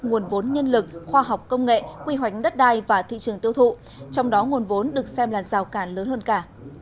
nguồn vốn nhân lực khoa học công nghệ quy hoạch đất đai và thị trường tiêu thụ trong đó nguồn vốn được xem là rào cản lớn hơn cả